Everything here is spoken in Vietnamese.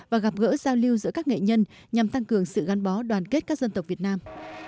và gặp gỡ giao lưu giữa các nghệ nhân nhằm tăng cường sự gắn bó đoàn kết các dân tộc việt nam